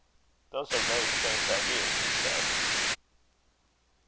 "Those are very strange ideas," he said.